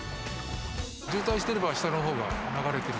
渋滞してれば下のほうが流れ